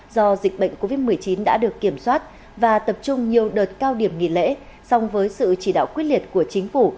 do dịch bệnh covid một mươi chín đã được kiểm soát và tập trung nhiều đợt cao điểm nghỉ lễ song với sự chỉ đạo quyết liệt của chính phủ